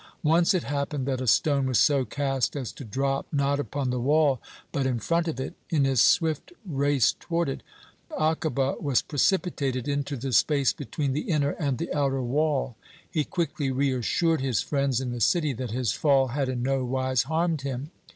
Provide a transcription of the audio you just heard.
Once it happened that a stone was so cast as to drop, not upon the wall, but in front of it. In his swift race toward it, Akiba was precipitated into the space between the inner and the outer wall. He quickly reassured his friends in the city, that his fall had in no wise harmed him.